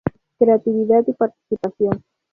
Creatividad y participación.